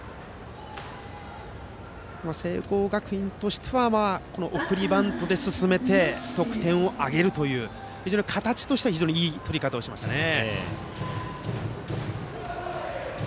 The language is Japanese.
聖光学院としては送りバントで進めて得点を挙げるという形としては非常にいい取り方をしましたよね。